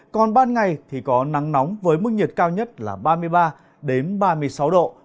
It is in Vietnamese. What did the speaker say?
còn ban ngày thì có nắng nóng với mức nhiệt cao nhất là ba mươi ba ba mươi sáu độ